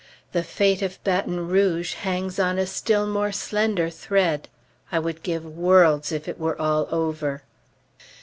The fate of Baton Rouge hangs on a still more slender thread. I would give worlds if it were all over.